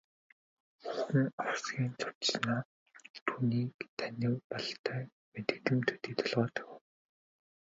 Хүүхэн овсхийн цочсоноо түүнийг танив бололтой мэдэгдэм төдий толгой дохив.